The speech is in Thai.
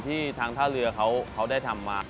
ที่ทางท่าเรือเขาได้ทำมา